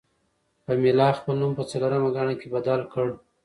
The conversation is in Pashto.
پملا خپل نوم په څلورمه ګڼه کې بدل کړ.